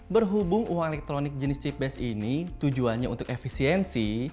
berhubung uang elektronik jenis chip base ini tujuannya untuk efisiensi